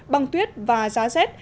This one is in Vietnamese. băng tuyết và giá xét